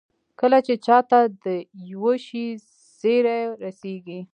کله چې چا ته د يوه شي زېری رسېږي.